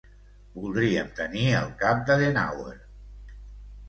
Voldríem tenir el cap d'Adenauer.